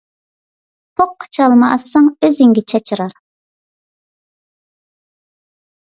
پوققا چالما ئاتساڭ، ئۆزۈڭگە چاچرار.